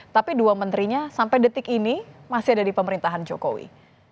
tapi dua menterinya sampai detik ini masih ada di pemerintahan jokowi